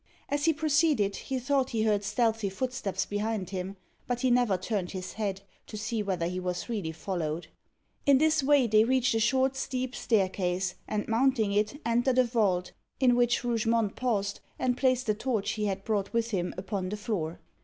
As he proceeded, he thought he heard stealthy footsteps behind him; but he never turned his head, to see whether he was really followed. In this way they reached a short steep staircase, and mounting it, entered a vault, in which Rougemont paused, and placed the torch he had brought with him upon the floor.